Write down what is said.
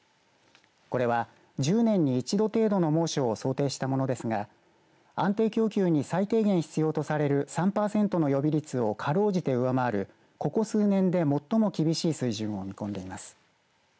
これは、１０年に１度程度の猛暑を想定したものですが安定供給に最低限必要とされる３パーセントの予備率をかろうじて上回るここ数年で最も厳しい水準を見込んでいます。